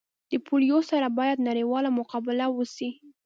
د پولیو سره باید نړیواله مقابله وسي